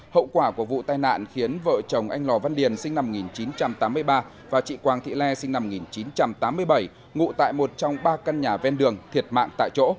hậu quả của vụ tai nạn khiến vợ chồng anh lò văn điền sinh năm một nghìn chín trăm tám mươi ba và chị quang thị le sinh năm một nghìn chín trăm tám mươi bảy ngụ tại một trong ba căn nhà ven đường thiệt mạng tại chỗ